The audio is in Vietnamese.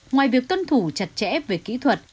ngoài việc tuân thủ chặt chẽ về kỹ thuật